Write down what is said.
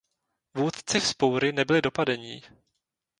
Vůdci vzpoury nebyli dopadení.